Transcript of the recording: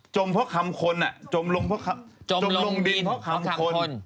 จมเพราะคำคนจมลงดินเพราะคำคน